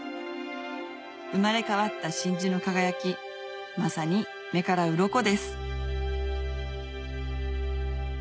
生まれ変わった真珠の輝きまさに目からうろこです